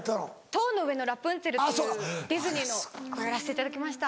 『塔の上のラプンツェル』っていうディズニーのやらせていただきました。